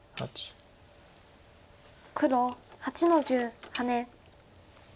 黒８の十ハネ。